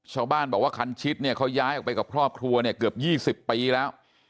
ชาวบ้านบอกว่าคันชิดเนี่ยเขาย้ายออกไปกับครอบครัวเนี่ยเกือบ๒๐ปีแล้ว